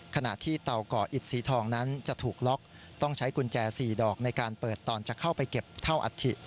ขณะที่เตาก่ออิดสีทองนั้นจะถูกล็อกต้องใช้กุญแจ๔ดอกในการเปิดตอนจะเข้าไปเก็บเท่าอัฐิ